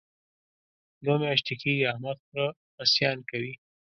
دوه میاشتې کېږي احمد خره خصیان کوي.